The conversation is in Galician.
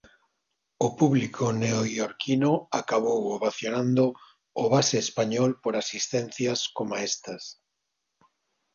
O público neoiorquino acabou ovacionando o base español por asistencias coma estas.